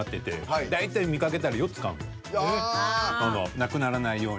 なくならないように。